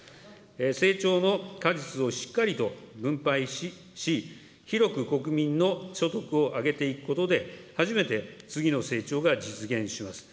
成長の果実をしっかりと分配し、広く国民の所得を上げていくことで、初めて次の成長が実現します。